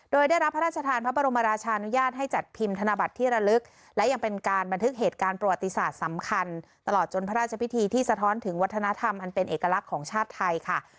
โดยได้รับพระราชทานพระบรมราชานุญาตให้จัดพิมพ์ธนบัตรที่ระลึกและยังเป็นการบันทึกเหตุการณ์ประวัติศาสตร์สำคัญตลอดจนพระราชพิธีที่สะท้อนถึงวัฒนธรรมอันเป็นเอกลักษณ์ของชาติไทยค่ะ